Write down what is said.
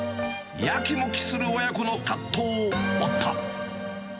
やきもきする親子の葛藤を追った。